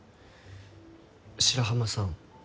白浜さん